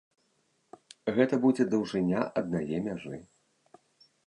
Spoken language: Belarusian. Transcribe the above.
Гэта будзе даўжыня аднае мяжы.